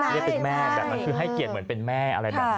เรียกแม่แบบนั้นคือให้เกียรติเหมือนเป็นแม่